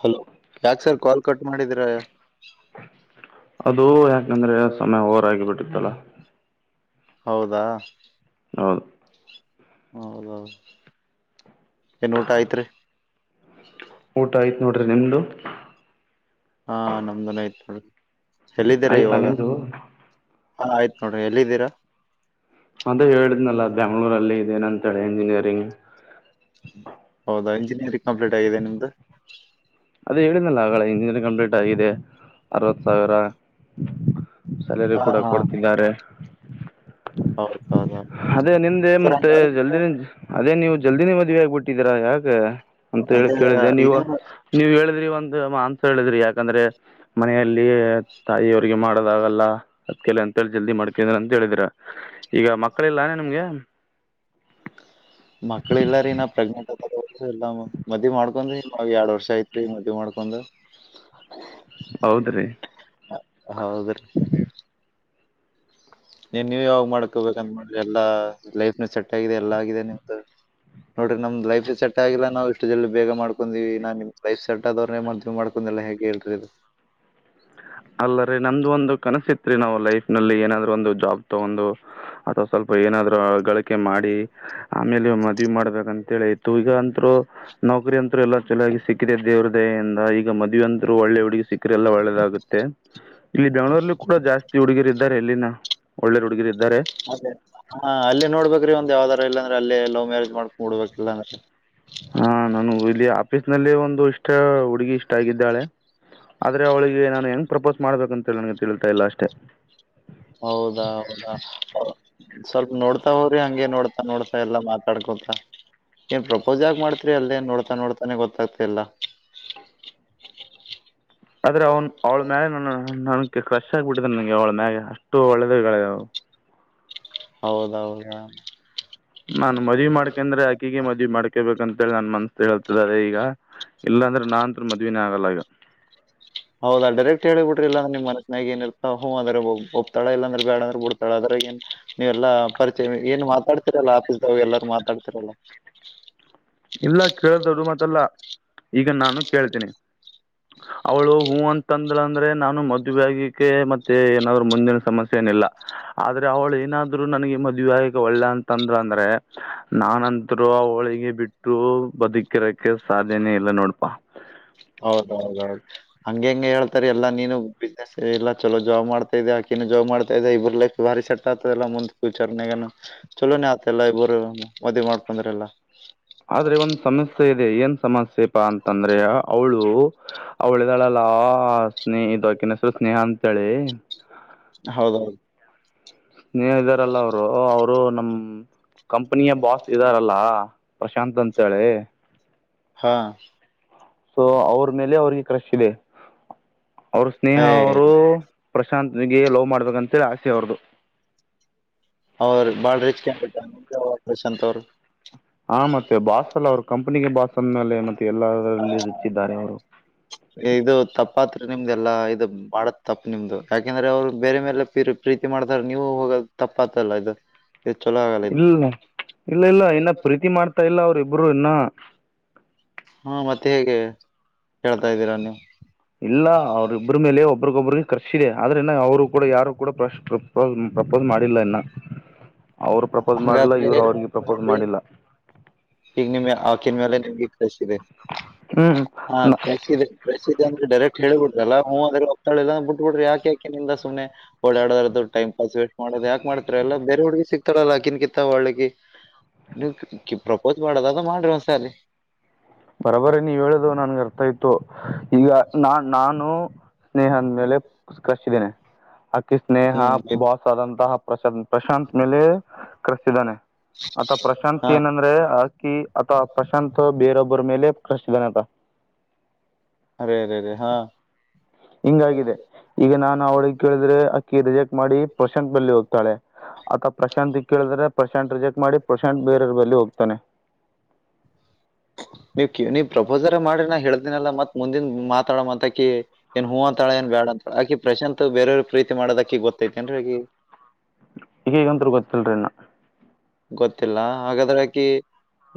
Hello ಯಾಕ್ sir call cut ಮಾಡಿದ್ರ. ಅದು ಯಾಕಂದರೆ ಸಮಯ ಓವರ್ ಆಗಿಬಿಟ್ಟಿದ್ದಲ್ಲ. ಹೌದಾ ಹೌದು ಹೌದೌದು ಏನ್ ಊಟ ಆಯ್ತ್ರಿ? ಊಟ ಆಯ್ತು ನೋಡ್ರಿ ನಿಮ್ದು? ಹಾ ನಮ್ದುನು ಆಯ್ತು ನೋಎಲ್ಲಿದ್ದೀರಿ ಆಯ್ತಾ ಇವಾಗ? ನಿಮ್ದು ಹಾ ಆಯ್ತ್ ನೋರಡಿ ಎಲ್ಲಿದ್ದೀರಾ? ಮತ್ತೆ ಹೇಳಿದ್ನಲ್ಲ ಬೆಂಗ್ಳೂರಲ್ಲಿ ಇದೆ ಏನಂತೇಳಿ ಇಂಜಿನಿಯರಿಂಗ್. ಹೌದ ಇಂಜಿನಿಯರಿಂಗ್ ಕಂಪ್ಲೀಟಾಗಿದೆ ನಿಮ್ದು. ಅದ ಹೇಳಿದಲ್ಲ ಆಗಳೆ ಇಂಜಿನಿಯರಿಂಗ್ ಕಂಪ್ಲೀಟ್ ಆಗಿದೆ ಅರವತ್ ಸಾವಿರ ಸ್ಯಾಲರಿ ಹಾ ಕೂಡ ಹಾ ಕೊಡ್ತಿದ್ದಾರೆ. ಹೌದ ಹೌದೌದು ಅದೇ ನಿಮ್ದೇನ್ ಸರ್ ಮತ್ತೆ ಹಂಗಾದ್ರೆ ಜಲ್ದಿ ನೀವು ಅದೇ ನೀವು ಜಲ್ದಿನೇ ಮದ್ವೆ ಆಗ್ಬಿಟ್ಟಿದ್ದೀರಾ ಯಾಕ ಅಂತ ಹೇಳಿ ಅದೇ ಕೇಳಿದೆೆ ನೀವು ಏನ್ ನೀವ್ ಹೇಳಿದ್ರಿ ಒಂದ ಮಾನ್ಸ ಹೇಳಿದ್ರಿ ಯಾಕಂದ್ರೆ ಮನೆಯಲ್ಲಿ ತಾಯಿಯವ್ರಿಗೆ ಮಾಡ್ದಾಗಲ್ಲ. ಅದ್ಕಲ್ಲ ಅಂತೇಳಿ ಜಲ್ದಿ ಮಾಡ್ಕಿದ್ರ ಅಂತ ಹೇಳಿದ್ರ, ಈಗ ಮಕ್ಕಳಿಲ್ಲಾನ ನಿಮ್ಗೆ? ಮಕ್ಳ ಇಲ್ಲಾ ರೀ ನಾ ಪ್ರೆಗ್ನೆಂಟ್ ಅದ ಎಲ್ಲ ಮದ್ವಿ ಮಾಡ್ಕೊಂಡ್ ನಾವ್ ಎರಡ್ ವರ್ಷ ಐತ್ರಿ ಮದ್ವಿ ಮಾಡ್ಕೊಂಡ್. [inaudible] ಹೌದ್ರಿ. ಹೌದ್ರಿ. ನೀ ನೀವ್ ಯಾವಾಗ್ ಮಾಡ್ಕೋಬೇಕಂದ ಮಾಡ್ರಿ ಎಲ್ಲ ಲೈಫ್ ನ ಸೆಟ್ ಆಗಿದೆ ಎಲ್ಲಾ ಆಗಿದೆ ನಿಮ್ದು. ನೋಡ್ರಿ ನಮ್ದ ಲೈಫ್ ಸೆಟ್ ಆಗಿಲ್ಲ ನಾವು ಇಷ್ಟ ಜಲ್ದಿ ಬೇಗ ಮಾಡ್ಕೊಂಡೀವಿ ಇನಾ ನಿಮ್ ಲೈಫ್ ಸೆಟ್ ಆದೋರ್ನೆ ಮದ್ವೆ ಮಾಡ್ ಲ್ಲ ಹ್ಯಾಗ್ ಹೇಳ್ರಿ ಇದು. ಅಲ್ಲರೀ ನಮ್ದು ಒಂದು ಕನಸಿತ್ರಿ ನಾವು ಲೈಫ್ನಲ್ಲಿ ಏನಾದ್ರೂ ಒಂದು ಜಾಬ್ ತಗೊಂದು ಅಥವಾ ಸ್ವಲ್ಪ ಏನಾದ್ರು ಗಳಿಕೆ ಮಾಡಿ. ಆಮೇಲೆ ಮದ್ವಿ ಮಾಡ್ಬೇಕಂತ ಹೇಳಿ ಇತ್ತು ಈಗ ಅಂತ್ರು ನೌಕರಿ ಅಂತ್ರು ಎಲ್ಲ ಚಲಾಗಿ ಸಿಕ್ಕಿದೆ ದೇವ್ರ ದಯೆಯಿಂದ ಈಗ ಮದುವೆ ಅಂತ್ರು ಒಳ್ಳೆ ಹುಡುಗ ಸಿಕ್ಕ್ರ ಎಲ್ಲ ಒಳ್ಳೆದಾಗ ಗುತ್ತೆ, ಇಲ್ಲಿ ಬೆಂಗಳೂರ್ಲ್ಲಿ ಕೂಡ ಜಾಸ್ತಿ ಹುಡುಗೀರು ಇದ್ದಾರೆ ಎಲ್ಲಿನ ಒಳ್ಳೆರ್ ಹುಡುಗಿರು ಇದ್ದಾರೆ. ಅದೇ ಹಾ ಅಲ್ಲಿ ನೋಡ್ಬೇಕ್ರೀ ಒಂದ ಯಾವ್ದಾರ ಇಲ್ಲ ಅಂದ್ರೆ ಅಲ್ಲಿ ಲವ್ ಮ್ಯಾರೇಜ್ ಮಾಡಕೊಂಡು ಬಿಡ್ಬೇಕು ಇಲ್ಲಾಂದ್ರೆ. ಹಾ ನಾನು ಇಲ್ಲಿ ಆಫೀಸ್ ನಲ್ಲಿ ಒಂದು ಇಷ್ಟ ಹುಡುಗಿ ಇಷ್ಟ ಆಗಿದ್ದಾಳೆ. ಆದ್ರೆ ಅವಳಿಗೆ ನಾನು ಹೆಂಗ್ ಪ್ರಪೋಸ್ ಮಾಡ್ಬೇಕಂತ ಹೇಳಿ ನನಗೆ ತಿಳಿತಾ ಇಲ್ಲ ಅಷ್ಟೇ. ಹೌದಾ ಹೌದಾ? ಸ್ವಲ್ಪ ನೋಡ್ತಾ ಹೋರಿ ಹಂಗೆ ನೋಡ್ತಾ ನೋಡ್ತಾ ಎಲ್ಲಾ ಮಾತಾಡ್ಕೊತ. ಏನ್ ಪ್ರಪೋಸ್ ಹ್ಯಾಗ್ ಮಾಡ್ತರಿ ಅಲ್ಲೇ ನೋಡ್ತಾ ನೋಡ್ತಾನೆ ಗೊತ್ತಾಗ್ತಾ ಇಲ್ಲ. ಆದ್ರೆ ಅವ್ನು ಅವ್ಳ ಮ್ಯಾಲ ನ ನನ್ ಕ್ರಶ್ ಆಗಿಬಿಟ್ಟಿದೆ ನನ್ಗೆ ಅವಳ ಮ್ಯಾಗೆ ಅಷ್ಟು ಒಳ್ಳೇದಗಿ ಹೌದೌದಾ? ನಾನ್ ಮದ್ವಿ ಮಾಡ್ಕಂದ್ರೆ ಆಕಿಗೆ ಮದ್ವಿ ಮಾಡ್ಕೊಬೇಕ ಅಂತೇಳಿ ನನ್ ಮನ್ಸ್ ಹೇಳ್ತಿದ್ದಾದೆ ಈಗ. ಇಲ್ಲಾಂದ್ರೆ ನಾನಂತೂ ಮದ್ವನೇ ಆಗಲ್ಲ ಈಗ. ಹೌದಾ ಡೈರೆಕ್ಟ್ ಹೇಳೇ ಬಿಡ್ರಿ ಇಲ್ಲ ಅಂದ್ರ ಮನಸನಾಗ ಏನ್ ಇರ್ತ ಹೂ ಅಂದ್ರೆ ಒಪ್ತಾಳ ಇಲ್ಲಂದ್ರ ಬೇಡ ಅಂದ್ರ ಬಿಡ್. ತ್ತಳ್ ಅದ್ರಗೇನ್ ನೀವೆಲ್ಲಾ ಪರಿಚಯ ಏನ್ ಮಾತಾಡ್ತಿರಲ್ಲ ಆಫೀಸ್ದಾಗ್ ಎಲ್ಲಾರೂ ಮಾತಾಡ್ತಿರಲ್ಲ. [inaudible] ಇಲ್ಲ ಕೇಳ್ದ್ ದೊಡ್ಡು ಮಾತ್ತಲ್ಲ ಈಗ ನಾನು ಕೇಳ್ತೇನಿ. ಅವಳು ಹೂ ಅಂತಂದ್ರ ಅಂದ್ರೆ ನಾನು ಮದುವ್ಯಾಗಕ್ಕೆ ಮ ತ್ತೆ ಏನಾದ್ರು ಮುಂದಿನ ಸಮಸ್ಯೆ ಏನಿಲ್ಲ. ಆದ್ರೆ ಅವಳು ಏನಾದ್ರು ನನಗೆ ಮದ್ವಿಯಾಗಕ್ ಒಲ್ವ ಅಂತಂದ್ರೆ ನಾನಂತ್ರು ಆವ್ಳಿಗೆ ಬಿಟ್ಟು ಬದುಕಿರಕ್ಕೆ ಸಾಧ್ಯನೆೇ ಇಲ್ಲ ನೋಡ್ಪಾ. ಹೌದ ಹೌದೌದು ಹಂಗೆ ಹೆಂಗೆ ಹೇಳ್ತಾರೆ ಎಲ್ಲಾ ನೀನು ಬಿಸ್ನೆಸ್ ಎಲ್ಲ ಚಲೋ ಜಾಬ್ ಮಾಡ್ತಾ ಇದೆ ಅಕಿನನು ಜಾಬ್ ಮಾಡ್ತಾ ಇದೆ ಇಬ್ಬರು ಲೈಫ್ ಬಾರಿ ಸೆಟ್ ಆಗ್ತದೆಲ್ಲ ಮುಂದ್ ಫ್ಯೂಚರ್ನಾಗ.. ಚಲೋನೇ ಆತಲ್ಲಾ ಇಬ್ಬರು ಮದುವೆ ಮಾಡ್ಕೊಂಡ್ರ ಎಲ್ಲ. ಆದ್ರೆ ಒಂದ್ ಸಮಸ್ಯೆ ಇದೆ ಏನ್ ಸಮಸ್ಯೆ ಪ್ಪಾ ಅಂತಂದ್ರೆ ಅವಳು ಅವಳಿದಾಳಲ್ಲಾ ಸ್ನೇಹ ಆಕಿನ ಹೆಸರು ಸ್ನೇಹ ಅಂತೇಳಿ ಹೌದೌದು ಸ್ನೇಹ ಇದಾರಲ್ಲ ಅವ್ರು ಅವ್ರು ನಮ್ ಕಂಪನಿಯ ಬಾಸ್ ಇದ್ದಾರಲ್ಲ ಪ್ರಶಾಂತ್ ಅಂತೇಳಿ ಹಾ ಸೊ ಅವ್ರ್ ಮೇಲೆ ಅವ್ರಿಗೆ ಕ್ರಶ್ ಇದೆ ಅವ್ರು ಸ್ನೇಹ ಏ ಅವ್ರು ಪ್ರಶಾಂತ್ಗೆ ಲವ್ ಮಾಡ್ಬೇಕಂತೇಳಿ ಆಸೆ ಅವರದು ಅವ್ರ್ ಬಾಳ ರಿಚ್ ಕ್ಯಾಂಡಿಡೇಟ್ ಅಂತ [unintelligible] ಅವರು ಹಾ ಮತ್ತೆ ಬಾಸ್ ಅಲ್ಲ ಅವರು ಕಂಪ್ನಿಗೆ ಬಸ್ ಅಂದ ಮೇಲೆ ಮತ್ತೆ ಎಲ್ಲದ್ರಲ್ಲಿ ರಿಚ್ ಇದ್ದಾರೆ ಅವರು ಇದು ತಪ್ಪಾತ್ರಿ ನಿಮ್ದಲ್ಲಾ ಇದು ಮಾಡತ್ ತಪ್ಪ್ ನಿಮ್ದು ಯಾಕೆಂದ್ರೆ ಅವ್ರು ಬೇರೆ ಮೇಲೆ ಪ್ರೀತಿ ಮಾಡ್ತಾರ ನೀವು ಹೋಗದು ತಪ್ಪ ಆಯ್ತಲ್ಲ ಇಗ ಇಲ್ಲ ಇಲ್ಲ ಇಲ್ಲ ಇನ್ನ ಪ್ರೀತಿ ಮಾಡ್ತಾ ಇಲ್ಲ ಅವ್ರಿಬ್ರು ಇನ್ನ ಹಾ ಮತ್ತೇಗೆ ಹೇಳ್ತಾ ಇದೀರಾ ನೀವು ಇಲ್ಲ ಅವ್ರಿಬ್ರ್ ಮೇಲೆ ಒಬ್ರಗೊಬ್ರ್ಗೆ ಕ್ರಶ್ ಇದೆ ಆದ್ರೆನ ಅವರು ಕೂಡ ಯಾರು ಕೂಡ ಪ್ರಶ್ ಪ್ರೋ ಪ್ರಪೋಸ್ ಮಾಡಿಲ್ಲ ಇನ್ನ [inaudible] ಅವ್ರು ಪ್ರಪೋಸ್ ಮಾಡಿಲ್ಲ ಹಂಗಾದ್ರೆ ಇವರು ಅವ್ರಿಗೆ ಪ್ರಪೋಸ್ ನೋಡ್ರಿ ಮಾಡಿಲ್ಲ ಈಗ ನಿಮ್ಗೆ ಆಕಿನ್ ಮೇಲೆ ನಿಮ್ಗೆ ಕ್ರಷ್ ಇದೆ, ಹಾ ಹ್ಮ್ ಕ್ರಷ್ ಇದೆ ಕ್ರಷ್ ಇದೆ ಅಂದ್ರೆ ಡೖರೆಕ್ಟ್ ಹೇಳ ಬಿಡ್ರಲ್ಲ ಹ್ಮ ಅಂದ್ರ ಒಪ್ತಳಲ್ಲ ಇಲ್ಲ ಅಂದ್ರ ಬಿಟ್ಬಿಡ್ರಿ ಯಾಕೆ [unintelligible] ಸುಮ್ನೆ ಅವ್ಳು [unintelligible] ಟೈಮ್ [unintelligible] ವೇಸ್ಟ್ ಮಾಡದು ಯಾಕ್ ಮಾಡ್ತೀರಿ ಎಲ್ಲ ಬೇರೆ ಹುಡ್ಗಿ ಸಿಕ್ ತ್ತಡಲ್ಲ ಆಕಿನ್ ಕಿತ್ತ ಒಳ್ಳಿಕಿ ಪ್ರಪೋಸ್ ಮಾಡದದ ಮಾಡ್ರಿ ಒಂದ್ಸಲಿ. ಬರೋಬರೆ ನೀವ್ ಹೇಳುದು ನನ್ಗೆ ಅರ್ಥಾಯ್ತು ಈಗ ನಾ ನಾನು ಸ್ನೇಹ ಅಂದ್ ಮೇಲೆ ಕ್ರಷ್ ಇದೇನೆ ಅಕಿ ಸ್ನೇಹ ಹ್ಮ್ ಇದ್- ಬಾಸಾದಂತ ಪ್ರಶಾಂತ್ ಪ್ರಶಾಂತ್ ಮೇಲೆ ಕಳ್ಸಿದ್ದಾನೆ. ಆತ ಪ್ರಶಾಂತ್ ಹಾ ಏನಂದ್ರೆ ಅಕಿ ಆತ ಪ್ರಶಾಂತ್ ಬೇರೊಬ್ಬರ ಮೇಲೆ ಕ್ರಷಿದಾನಂತ. ಅರೆೇ ಅರೆೇ ಹಾ ಹಿಂಗ ಆಗಿದೆ ಈಗ ನಾನ್ ಅವಳಿಗೆ ಕೇಳಿದ್ರೆ ಅಕ್ಕಿ ರಿಜೆಕ್ಟ್ ಮಾಡಿ ಪ್ರಶಾಂತ್ ಬಳಿ ಹೋಗ್ತಾಳೆ ಆತ ಪ್ರಶಾಂತ್ ಕೇಳಿದ್ರೆ ಪ್ರಶಾಂತ್ ರಿಜೆಕ್ಟ್ ಮಾಡಿ ಪ್ರಶಾಂತ್ ಬೇರವ್ರ ಬಳಿ ಹೋಗ್ತಾನೆ ನೀವ್ ಕ ನೀವ ಪ್ರಪೋಸರ ಮಾಡ್ರಿ ನಾ ಹೇಳ್ದಿನಲ್ಲ ಮತ್ ಮುಂದಿನ ಮಾತಾಡ ಮಾತಾಕಿ ಏನ್ ಹೂವ ಅಂತಳ ಏ ಬಡ ಅಂತಾಳ ಆಾಕ ಪ್ರಶಾತ್ ಬೇರೆಯವ್ರ ಪ್ರೀತಿ ಮಾಡದಕಕ್ಕೆ ಗೊತ್ತೈತಿ ಎನ್ ರಿ ಅಕಿಗೆ ಇಕಿಗಿ ಅಂತ ಗೊತ್ತಲ್ರಿ ನಾ ಗೊತ್ತಿಲ್ಲ ಹಾಗಾದ್ರಕ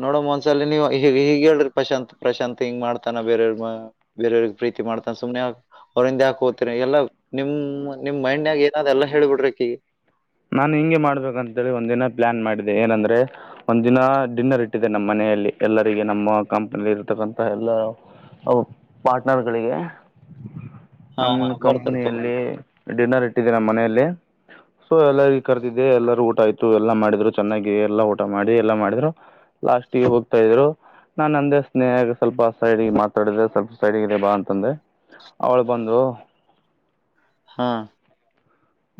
ನೋಡಮ್ಮ ಒಂದ್ಸಲ ನೀವು ಹ ಹೀಗ್ ಹೇಳ್ರಿ ಪ್ರಶಾಂತ್ ಪ್ರಶಾತ್ ಹಿಂಗ್ ಮಾಡ್ತಾನ ಬೇರೆಯವ್ರ ಬೇರೆಯವ್ರಿಗೆ ಪ್ರೀತಿ ಮಾಡ್ತಾನ ಸುಮನೆ ಆಗ್ ಅವ್ರಂದ ಯಾಕೆ ಹೋತಿರಿ ಎಲ್ಲಾ ನಿಮ್ ನಿಮ್ ಮೈಂಡ್ ಯಾಗ ಏನಾದ್ ಎಲ್ಲ ಹ ಹೇಳಳ್ಬಿಡ್ರಿಕ್ಕೀಗ ನಾನ್ ಹಿಂಗೆ ಮಾಡ್ಬೇಕಂತೇಳಿ ಒಂದ ದಿನ ಪ್ಲಾನ್ ಮಾಡಿದೆೆ ಏನಂದ್ರೆ ಒಂದ್ ದಿನ ಡಿನ್ನರ್ ಇಟ್ಟಿದೆ ನಮ್ಮ್ ಮನೆಯಲ್ಲಿ ಎಲ್ಲರಿಗೆ ನಮ್ಮ ಕಂಪನಿ ಇರ್ತಕ್ಕಂತ ಎಲ್ಲ ಅವ ಪಾರ್ಟ್ನರ್ಗಳಿಗೆ ಹಾ ಹಾ ನಮ ಬರ್ತಾರ ತಗೋರಿ ಕಂಪನಿಯಲ್ಲಿ ಡಿನ್ನರ್ ಇಟ್ಟಿದೆ ನಮ್ಮ ಮನೆಯಲ್ಲಿ ಎಲ್ಲ ಕರ್ದಿದ್ದೆ ಎಲ್ಲಾರೂ ಊಟ ಆಯ್ತು ಎಲ್ಲಾ ಮಾಡಿದ್ರು ಚೆನ್ನಾಗಿ ಎಲ್ಲಾ ಊಟ ಮಾಡಿ ಎಲ್ಲಾ ಮಾಡಿದ್ರು ಲಾಸ್ಟಗೆ ಹೋಗ್ತಾ ಇದ್ರು ನಾನ ಅಂದೇ ಸ್ನೇಹ ಸ್ವಲ್ಪ ಸೈಡಿಗೆ ಮಾತಾಡಿದೆ ಸ್ವಲ್ಪ ಸೈಡಿಗೆ ಬಾ ಅಂತಂದೆ ಅವಳು ಬಂದು ಹಾ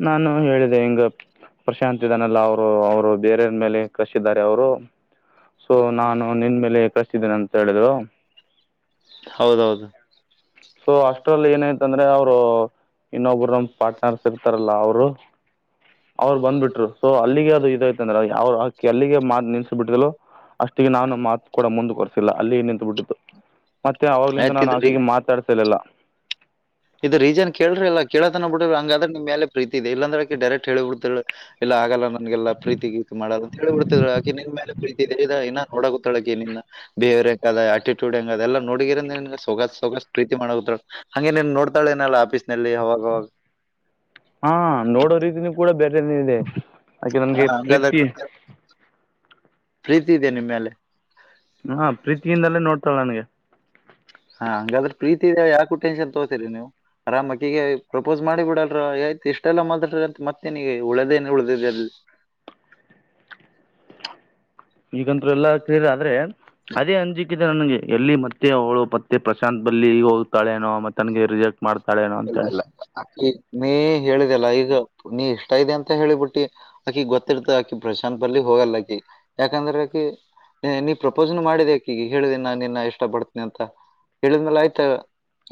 ನಾನು ಹೇಳಿದೆ ಹಿಂಗ ಪ್ರಶಾಂತ್ ಇದಾನೆಲ್ಲ ಅವ್ರು ಅವ್ರು ಬೇರೆಯವ ಮೇಲೆ ಕಸಿದ್ದಾರೆ ಅವರು ಸೊ ನಾನು ನಿನ್ನ ಮೇಲೆ ಕಷ್ಟಿದ್ದೇನೆ ಅಂತ ಹೇಳರು ಹೌದೌದು ಸೊ ಅಷ್ಟ್ರಲ್ಲಿ ಏನೈತಂದ್ರೆ ಅವರು ಇನ್ನೊಬ್ಬರು ನಮ ಪಾರ್ಟ್ನರ್ಸ್ ಇರ್ತಾರಲ್ಲ ಅವರು ಅವ್ರು ಬಂದ್ಬಟ್ರು ಸೊ ಅಲ್ಲಿಗೆ ಅದು ಇದ ಐತ ಅಂದ್ರ ಅವರು ಹಾಕಿ ಅಲ್ಲಿಗೆ ಮಾತೂ ನಿಲಿಸಿ ಬಿಟ್ಟಲು ಅಷ್ಟಿಗೆ ನಾನು ಮಾತು ಕೂಡ ಮುಂದುವರ್ಸಿಲ್ಲ ಅಲ್ಲಿ ನಿಂತು ಬಿಡ್ಟ್ಟಿತ್ತು ಮತ್ತೆ ಅವಲಿಂದ ಆಯ್ತ್ ನಾನು ಇದ್ರಿ ಆಕೆಗೆ ಮಾತ ಸಲ್ಲಲ್ಲ ಇದದು ರೀಸನ್ ಕೇಳ್ರಿ ಇಲ್ಲ ಕೇಳಳ್ತನ ಬಿ್ರ ಹಂಗ್ರ ನಿಮಮೇಲೆ ಪ್ರೀತಿ ಇಲ್ಲಂದ್ರೆ ಡೈರೆಕ್ಟ್ ಹೇಳಿಬ ಬಿಡ್ತ ಇಲ್ಲ ಆಗಲ್ಲ ನನ್ಗೆಲ್ಲಾ ಪ್ರೀತಿ ಗೀತಿ ಮಾಡೋದ ಅಂತ ಹೇಳಿ ಬಿಡ್ತಿದ್ ಆಕೆ ನಿನ್ ಮೇಲೆ ಪ್ರೀತಿ ಇನ್ನ ನೋಡ ಗೊತ್ತಳಕನನ್ನ ಬಿಹೇಯರ್ ಹೆಂಗ ಅದ ಆಟ್ಯಡ್ ಹೆಂಗದ ಎಲ್ಲ ನೋಡಿದಿರನ್ಗೆ ಸೊಗ ಸೊಗ ಪ್ರೀತಿ ಮಾಡುದ ಹಗೆ ನೋ ಮತ್ತಳ ನಲ್ಲ ಆಫೀಸ್ ನಲ್ಲಿ ಅವಾಗಾಗ ಹಾ ನೋಡೋ ರೀತಿನೂ ಕೂಡ ಬೇರೆಲ್ಲ ಇದೆ ಯಕೆ ಹಾ ನನ್ಗೆ ಹಂಗಾದ್ರೆ ಪ್ರೀತಿ ನಿಮ್ಗೆ ಪ್ರೀತಿ ಇದದೆ ನಿಮ್ಮೇಲೆ ಹಾ ಪ್ರೀತಿಯಿಂದಲೇ ನೋಡ್ತಾಳೆ ನನಗೆ ಹಾ ಹಂಗಾದ್ರ ಪ್ರೀತಿ ಯಕ ಟೆನ್ಷನ್ ತಗೋತೀರಿ ನೀವು ಅರಾಮಕ್ಕಿಗೆ ಪ್ರೊಪೋಸ್ ಮಾಡಿಬ ಬಿಡಲ್ರ ಆಯ್ತು ಇಷ್ಟೆಲ್ಲ ಮಾಡ್ರಿ ಅಂತ ಮತ್ತೇನಗ ಉಳದೇ ಉಳ್ದಿದೆ ಅಲ್ಲಿ ಈಗಂತರು ಎಲ್ಲಾ ಸರಿ ಆದ್ರೆ ಅದೇ ಅಂಜಿಕ್ಕಿದೆ ನನ್ಗೆ ಎಲ್ಲಿ ಮತ್ತೆ ಅವಳು ಪತ್ತೆ ಪ್ರಶಾಂತ್ ಬಲ್ಲಿ ಈಗ ಹೋಗ್ತಾಳೆನೋ ಮತ್ತೆನ್ಗೆ ರಿಜೆಕ್ಟ್ ಮಾಡ್ತಾಳೆನೋ ಇಲ್ಲ ಇಲ್ಲ ನೀ ಹೇಳಿದೆಲ್ಲ ಈಗ ನೀ ಇಷ್ಟ ಇದೆ ಅಂತ ಹೇಳಿಬಿಟ್ಟಿ ಅಕಿ ಗೊತ್ತಿಡ್ತ ಆಕಿ ಪ್ರಶಾಂತ್ ಪಲ್ಲಿ ಹೋಗಲ್ಲ ಆಕಿ ಯಾಕಂದ್ರ ಆಕಿ ನೀ ಪ್ರಪೋಸ್ನು ಮಾಡಿದೆಕ ಈಗ ಹೇಳಿದೆ ನಾನು ನಿನ್ನ ಇಷ್ಟ ಪಡ್ತನನೆಿ ಅಂತ ಹೇಳಿದನಲ್ಲ ಆಯ್ತ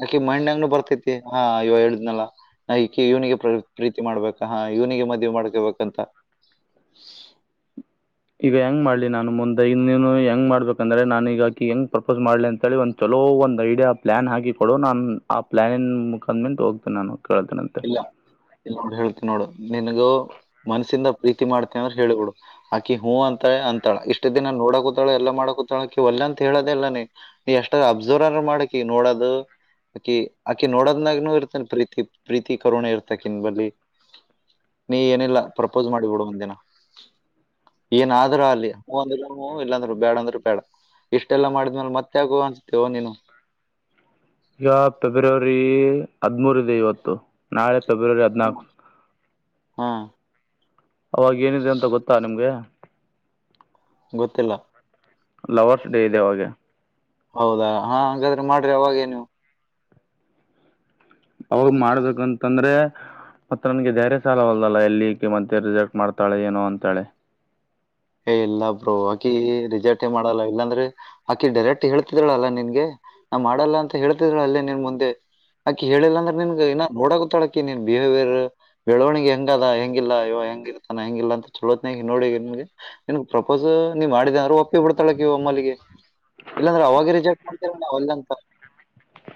ಆಕೆ ಮೈಂಡ್ ಅಂಗ್ನ ಬರ್ತೈತಿ ಹಾ ಇವ ಹೇಳುದ್ನಲ್ಲ ನಾ ಈಕೆ ಇವನಿಗೆ ಪ್ರ ಪ್ರೀತಿ ಮಾಡ್ಬೇಕ ಹಾ ಇವನಿಗೆ ಮದುವೆ ಮಾಡ್ಕೊಬೇಕಂತ ಈಗ ಹೆಂಗ ಮಾಡ್ಲಿ ನಾನು ಮುಂದೆ ಇನ್ನನು ಹೆಂಗ್ ಮಾಡ್ಬೇಕಂದ್ರೆ ನಾನು ಈಗಾಕಿ ಹೆಂಗ್ ಪ್ರಪೋಸ್ ಮಾಡ್ಲಿ ಅಂತೇಳಿ ಒಂದು ಚಲೋ ಒಒಂದು ಐಡಿಯಾ ಪ್ಲನ್ ಹಾಕಿ ಕೊಡು ನಾನು ಆ ಪ್ಲನನ್ ಮುಖಂದ ನಿಂದ ಹೋಗ್ತೀನಿ ನಾನು ಕಳತ ನಂತೆ ಇಲ್ ನೋಡು ಹೇಳ್ತಿ ನೋಡು ನಿನ್ಗೂ ಮನ್ಸಿಂದ ಪ್ರೀತಿ ಮಾಡ್ತಿನಿ ಅಂತ ಹೇಳೇಳ್ಬಿಡು. ಆಕಿ ಹೂ ಅಂತಾಳ ಅಂತಾಳ ಇಷ್ಟ ದಿನ ನೋಡಕ ಕೂತಾಳ ಎಲ್ಲ ಮಾಡಕೂತಾಳಾಕಿ ಒಲ್ಲ ಅಂತ ಹೇಳೋದೆ ಇಲ್ಲ ನೀ. ಎಷ್ಟ ಅಬ್ಸರ್ವ ಮಾಡಕಿ ನೋಡೋದು ಆಕಿ ಆಕಿ ನೋಡದ್ನಾಗನುೂ ಇರ್ತಾನ್ ಪ್ರೀ ಪ್ರೀತಿ ಕರುಣೆ ಇರ್ತಕನ್ ಬಲ್ಲಿ. ನೀ ಏನಿಲ್ಲ ಪ್ರಪೋಸ್ ಮಾಡ್ಬಿಡು ಒಂದ ದಿನ ಏನಾದ್ರು ಆಗ್ಲಿ. ಹು ಅಂದ್ರ ಹು ಇಲ್ಲಂದ್ರೆ ಬೇಡ ಅಂದ್ರು ಬೇಡ ಇಷ್ಟೆಲ್ಲ ಮಾಡಿದ್ಮೇಲೆ ಮತ್ತೆ ಆಗು ಅನ್ಸುತ್ತೇ ಒಂದಿನ. ಈಗ ಫೆಬ್ರವರಿ ಹದ್ಮೂರು ಇದೆ ಇವತ್ತು ನಾಳೆ ಫೆಬ್ರವರಿ ಹತ್ [inaudible] ಹಾ ಅವಾಗ ಏನಿದೆ ಅಂತ ಗೊತ್ತಾ ನಿಮ್ಗೆ. ಗೊತ್ತಿಲ್ಲ. ಲವರ್ಸ್ ಡೇ ಇದೆ ಅವಾಗ. ಹೌದಾ ಹಾ ಹಾಗಾದ್ರೆ ಮಾಡ್ರಿ ಅವಾಗೇನು. ಅವ್ರ ಮಾಡ್ಬೇಕಂ ಕಂದ್ರೆ ಮತ್ ಆವನ್ಗೆ ಧೈರ್ಯ ಸಾಲವಲ್ದಲ್ಲ ಎಲ್ಲಿಕ್ಕೆ ಮತ್ತೆ ರಿಜೆಕ್ಟ್ ಮಾಡ್ತಾಳೆ ಏನೋ ಅಂತೆಳಿ. ಏ ಇಲ್ಲಾ ಬ್ರೋ ಆಕಿ ರಿಜೆಕ್ಟ್ ಮಾಡಲ್ಲ ಇಲ್ಲಾಂದ್ರೆ ಆಕಿ ಡೈರೆಕ್ಟ್ ಹೇಳ್ತಿದಳಲ್ಲ ನಿನ್ಗೆ. ನಾ ಮಾಡಲ್ಲ ಅಂತ ಹೇಳ್ತಿದ್ರ ಅಲ್ಲೇ ನಿನ್ ಮುಂದೆ ಆಕಿ ಹೇಳಿಲ್ಲ ಅಂದ್ರೆ ನಿನ್ - - ಇನ್ನ ನೋಡಕತಳಾಕಿ ನೀನ್ ಬಿಹೇವಿಯರ್ - - ಬೆಳವಣಿಗೆ ಹೆಂಗದ ಹೆಂಗಿಲ್ಲ ಇವ ಹೆಂಗಿರ್ತಾನ ಹೆಂಗಿಲ್ಲ ಅಂತ ಚಲೋತ್ನ ನೋಡಿ ನಿನ್ಗ್ ಪ್ರಪೋಸ್ ನೀವ್ ಮಾಡಿದರು ಒಪ್ಪಿ ಬಿಡ್ತಾಳಾಕಿ ವಮ್ಮಲ್ಗಿ. ಇಲ್ಲಾಂದ್ರೆ ಅವಾಗ ರಿಜೆಕ್ಟ್ ಮಾಡ್ತೀದ್ರು ಒಲ್ಲೆ ಅಂತ.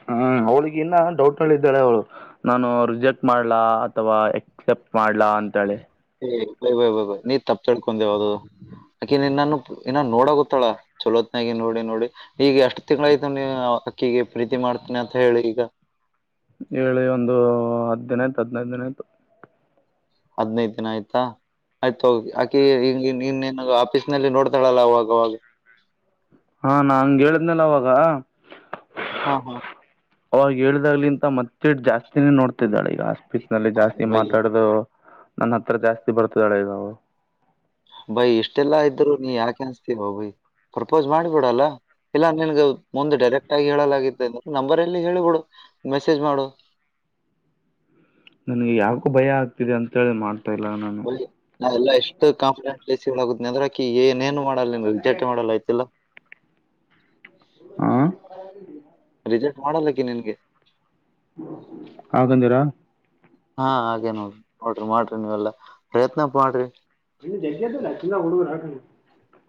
ಹ್ಮ್ ಅವ್ಳಿಗೆ ಇನ್ನ ಡೌಟ್ ಅಲ್ಲಿ ಇದ್ದಾಳೆ ಅವ್ಳು. ನಾನು ರಿಜೆಕ್ಟ್ ಮಾಡ್ಲಾ ಅಥವಾ ಎಕ್ಸೆಪ್ಟ್ ಮಾಡ್ಲಾ ಅಂತೇಳಿ. [unintelligible] ನೀ ತಪ್ಪ ತಿಳ್ಕೊಂಡಿರೋದು. ಆಕೆನ್ ನಿನನ್ನು ಇನ್ ನೋಡ ಗತ್ತಾಳ ಚಲೋತ್ನಾಗಿ ನೋಡಿ ನೋಡಿ. ಈಗ ಎಷ್ಟ್ ತಿಂಗ್ಳ ಆಯ್ತು ನೀ ಅಕಿಗೆ ಪ್ರೀತಿ ಮಾಡ್ತೀನಿ ಅಂತ ಹೇಳಿ ಈಗ. ಹೇಳಿ ಒಂದು ಹತ್ತುದಿನ ಆಯ್ತು ಹದಿನೈದು ದಿನ ಆಯ್ತು. ಹದ್ನೈದು ದಿನ ಆಯ್ತಾ. ಆಯ್ತು ಹೋಗಿ ಆಕಿ ಇನ್ನು ಇನ್ನು ಆಫೀಸ್ ನಲ್ಲಿ ನೋಡ್ತಾಳಲ್ಲ ಅವಾಗ್ ಅವಾಗ. ಹಾ ನಾ ಅಂಗ್ ಹೇಳುದ್ನಲ್ಲ ಅವಾಗ - ಹಾ ಹಾ - ಅವಾಗ ಹೇಳ್ದಾಗ್ಲಿಂತ ಮತ್ತೆ ಜಾಸ್ತಿನೇ ನೋಡ್ತಿದ್ದಾಳೆ ಈಗ. [inaudible] ನಲ್ಲಿ ಜಾಸ್ತಿ ಬೈ ಮಾತಾಡದು ನನ್ ಹತ್ರ ಜಾಸ್ತಿ ಬರ್ತಿದ್ದಾಳೆ ಈಗ ಅವಳು. ಬೈ ಇಷ್ಟೆಲ್ಲಾ ಇದ್ರು ನೀ ಯಾಕ್ ಅಂಜ್ತಿ ಬೈ. ಪ್ರಪೋಸ್ ಮಾಡಿಬಿಡಲ್ಲ ಇಲ್ಲ ನಿ - - ಮುಂದ್ ಡೈರೆಕ್ಟ್ ಆಗಿ ಹೇಳಲಾಗ ಅಂದ್ರೆ ನಂಬರ್ ಎಲ್ಲಿ ಹೇಳ್ಬಿಡು ಮೆಸೇಜ್ ಮಾಡು. ನನ್ಗೆ ಯಾಕು ಭಯ ಆಗ್ತಿದೆ ಅಂತೇಳಿ ಮಾಡ್ [unintelligible] ನಾ ಎಲ್ಲ ಎಷ್ಟು [unintelligible] ಅಕಿ ಏನೇನು ಮಾಡಲ್ಲ ರಿಜೆಟ್ ಮಾಡಲ್ಲ ಆಯ್ತಿಲ್ಲ. ಹ್ಮ ರಿಜೆಕ್ಟ್ ಮಾಡಲ್ಲಕ್ಕಿ ನಿನ್ಗೆ. [inaudible] ಹಾಗಂದಿರ. ಹಾ ಹಾಗೆ ನೋಡ್ರಿ ನೋಡ್ರಿ ಮಾಡ್ರಿ ನೀವೆಲ್ಲಾ ಪ್ರಯತ್ನ ಮಾಡ್ರಿ. [unintelligible] [unintelligible]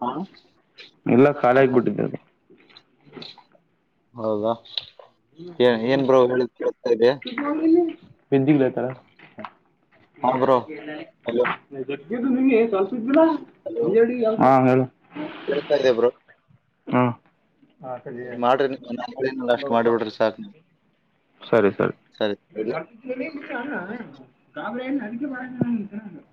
ಹಾ ಎಲ್ಲ ಖಾಲಿ ಆಗ್ಬಿಟ್ಟಿದೆ ಹೌದಾ ಏ ಏನ್ ಬೋ ಹೇಳಿದ್ ಕೆಳ್ತ ಇದೆ. ಬಿದ್ದಿಗ್ಲೈತಲ್ಲ ಹಾ ಬ್ರೋ ಹಲೋ ಹಾ ಹೇಳು. ಕೇಳ್ತಾ ಇದೆ ಬ್ರೋ. ಹಾ. ಮಾಡ್ರಿ ನೀ ಅಷ್ಟ್ ಮಾಡ್ಬ ಬಿಡ್ರಿ ಸಾಕ್ ನೀ. ಸರಿ ಸರಿ. [unintelligible]